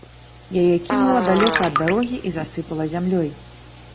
Яе кінула далёка ад дарогі і засыпала зямлёй.